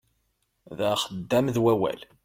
D axeddam d wawal.